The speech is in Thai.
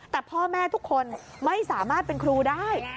แต่พ่อแม่ทุกคนไม่สามารถเป็นครูได้